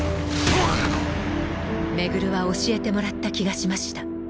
廻は教えてもらった気がしました